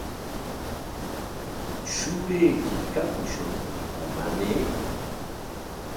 ¿Shurayki kapushunkiku, mamay?